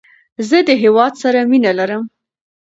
زه د هیواد سره مینه لرم.